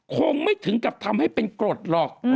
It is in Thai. คงไม่ถึงกับทำให้เป็นกรดหรอก